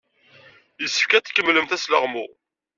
Yessefk ad tkemmlemt asleɣmu.